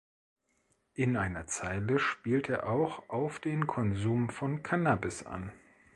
In einer Zeile spielt er auch auf den Konsum von Cannabis an.